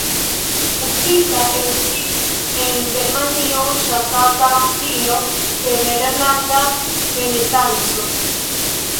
Uzita estis en Germanio ŝatata stilo de nederlanda renesanco.